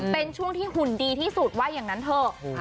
เป็นช่วงที่หุ่นดีที่สุดว่าอย่างนั้นเถอะ